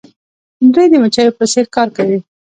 دوی د مچیو په څیر کار کوي.